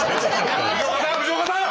藤岡さん！